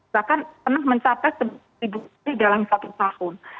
bahkan mencapai satu kali dalam satu tahun